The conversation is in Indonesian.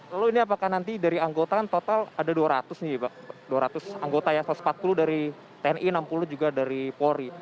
lalu ini apakah nanti dari anggota kan total ada dua ratus nih pak dua ratus anggota ya satu ratus empat puluh dari tni enam puluh juga dari polri